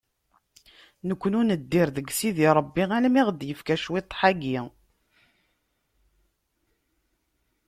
Nekkni ur neddir deg Sidi Rebbi almi i aɣ-d-yefka cwiṭeḥ-agi.